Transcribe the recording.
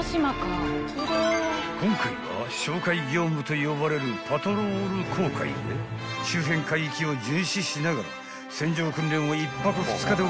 ［今回は哨戒業務と呼ばれるパトロール航海で周辺海域を巡視しながら船上訓練を１泊２日で行う］